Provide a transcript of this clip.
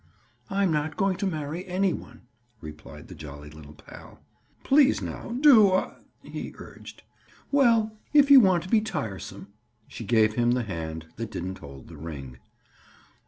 "I'm not going to marry any one," replied the jolly little pal. "Please now, do—aw!" he urged. "Well, if you want to be tiresome." She gave him the hand that didn't hold the ring.